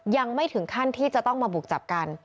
ยังไม่ถึงขั้นที่จะต้องมาบุกจับกัน